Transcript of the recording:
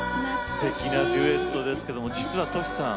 すてきなデュエットですけども実はＴｏｓｈｌさん